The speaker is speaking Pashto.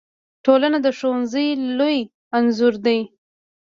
ټولنه د ښوونځي لوی انځور دی.